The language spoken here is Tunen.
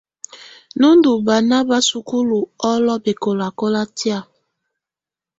Nú ndù bana bà sukulu ɔlɔ bɛkɔlakɔla tɛ̀á.